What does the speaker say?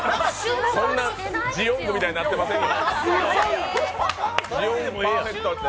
そんなジオングみたいになってませんよ